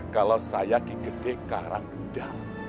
kalau saya di gede karang kendang